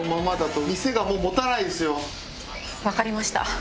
分かりました。